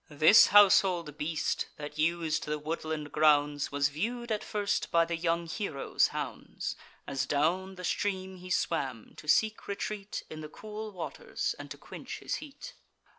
This household beast, that us'd the woodland grounds, Was view'd at first by the young hero's hounds, As down the stream he swam, to seek retreat In the cool waters, and to quench his heat.